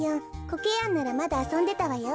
コケヤンならまだあそんでたわよ。